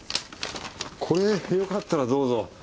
これよかったらどうぞ。